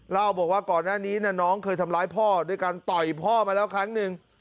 เล่าบอกว่าก่อนหน้านี้น้องเคยทำร้ายพ่อด้วยการต่อยพ่อมาแล้วครั้งหนึ่ง